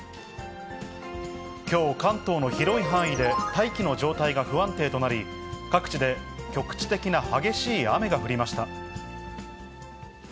きょう、関東の広い範囲で大気の状態が不安定となり、各地で局地的な激しい雨が降りました。